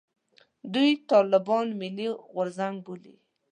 دوی طالبان «ملي غورځنګ» بولي.